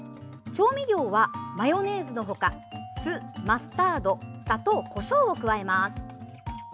調味料は、マヨネーズの他酢、マスタード、砂糖こしょうを加えます。